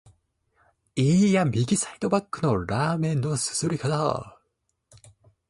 いーや、右サイドバックのラーメンの啜り方！